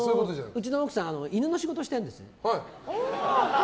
うちの奥さんは犬の仕事してるんですよ。